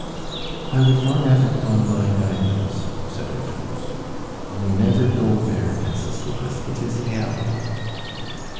"I would far rather pawn my diamonds," said Hortense. "Oh, never go there, Wenceslas! It is hell!"